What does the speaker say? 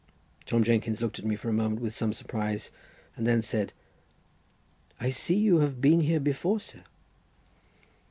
Tom Jenkins looked at me for a moment with some surprise, and then said: "I see you have been here before, sir."